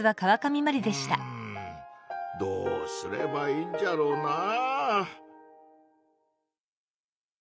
うんどうすればいいんじゃろうなぁ。